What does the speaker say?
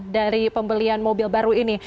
dari pembelian mobil baru ini